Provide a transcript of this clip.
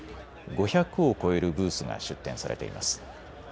５００を超えるブースが出展されています。